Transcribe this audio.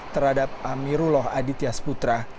terhadap amirullah aditya sputra